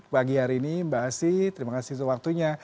pagi hari ini mbak asi terima kasih untuk waktunya